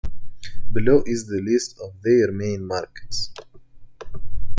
Below is the list of their main markets.